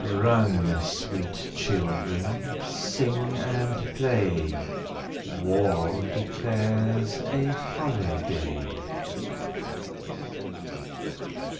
Run, sweet children, sing and play; War declares a holiday.